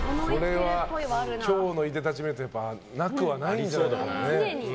今日のいでたちを見るとなくはないんじゃないかと。